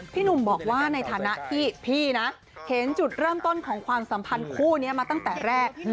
พี่หนุ่มบอกว่าในฐานะที่พี่นะเห็นจุดเริ่มต้นของความสัมพันธ์คู่นี้มาตั้งแต่แรก